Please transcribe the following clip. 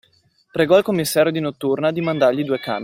Pregò il commissario di notturna di mandargli due camion.